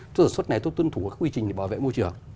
chỗ sản xuất này tôi tuân thủ các quy trình để bảo vệ môi trường